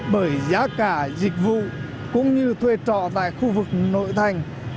bởi giá cả dịch vụ cũng như thuê trọ tại khu vực nội thành